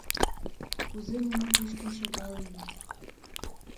Кузе нуно кушкын шогалыныт!..